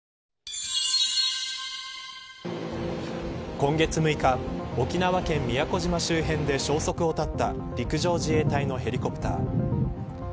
今月６日沖縄県宮古島周辺で消息を絶った陸上自衛隊のヘリコプター。